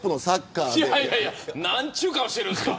なんちゅう顔してるんですか。